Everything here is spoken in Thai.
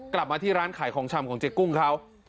กลับมาที่ร้านขายของชำของเจ๊กุ้งเขา